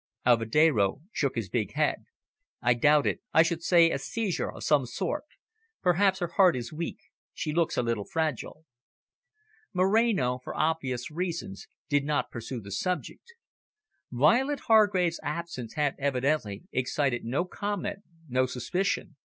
Alvedero shook his big head. "I doubt it. I should say a seizure of some sort. Perhaps her heart is weak. She looks a little fragile." Moreno, for obvious reasons, did not pursue the subject. Violet Hargrave's absence had evidently excited no comment, no suspicion.